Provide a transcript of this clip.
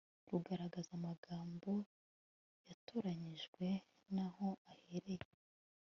rugaragaza amagambo yatoranyijwe n aho aherereye